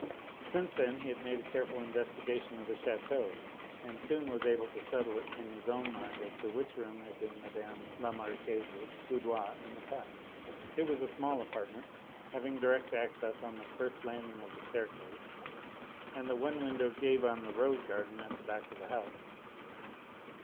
Since then he had made a careful investigation of the chateau, and soon was able to settle it in his own mind as to which room had been Madame la Marquise's boudoir in the past. It was a small apartment, having direct access on the first landing of the staircase, and the one window gave on the rose garden at the back of the house.